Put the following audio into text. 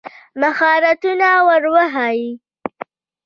مهارتونه ور وښایي.